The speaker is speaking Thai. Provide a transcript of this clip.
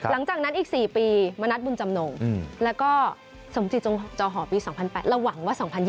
หลังจากนั้นอีก๔ปีมณัฐบุญจำนงแล้วก็สมจิตจงจอหอปี๒๐๐๘เราหวังว่า๒๐๒๐